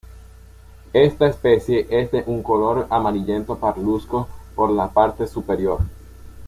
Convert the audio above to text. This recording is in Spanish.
Esta especie es de un color amarillento parduzco por la parte superior.